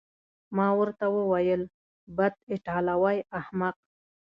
ما ورته وویل: بد، ایټالوی احمق.